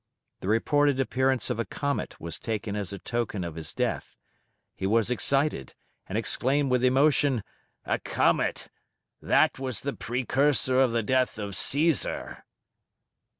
The reported appearance of a comet was taken as a token of his death. He was excited, and exclaimed with emotion, "A comet! that was the precursor of the death of Caesar."